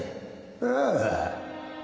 ああ。